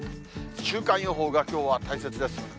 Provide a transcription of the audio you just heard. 週間予報がきょうは大切です。